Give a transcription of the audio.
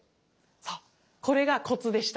そうこれがコツでした。